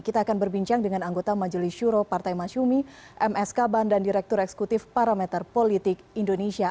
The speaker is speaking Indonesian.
kita akan berbincang dengan anggota majelis syuro partai masyumi ms kaban dan direktur eksekutif parameter politik indonesia